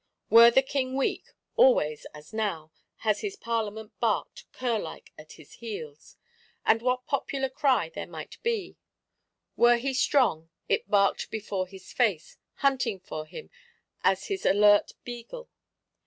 Were the King weak, always (as now) has his Parlement barked, cur like at his heels; with what popular cry there might be. Were he strong, it barked before his face; hunting for him as his alert beagle.